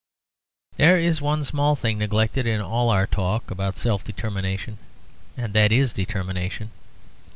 There is one small thing neglected in all our talk about self determination; and that is determination.